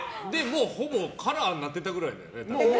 ほぼカラーになってたくらいだよね。